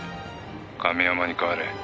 「亀山に代われ」